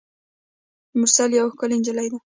مرسل یوه ښکلي نجلۍ ده.